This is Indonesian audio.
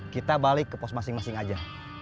kita balik ke pos masing masing aja